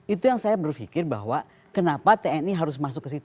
itu yang saya berpikir bahwa kenapa tni harus masuk ke situ